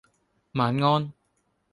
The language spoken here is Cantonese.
晚安